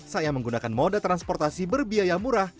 saya menggunakan moda transportasi berbiaya murah